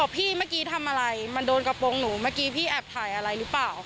พี่เมื่อกี้ทำอะไรมันโดนกระโปรงหนูเมื่อกี้พี่แอบถ่ายอะไรหรือเปล่า